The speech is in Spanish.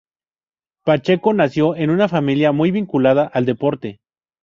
Pacheco nació en una familia muy vinculada al deporte.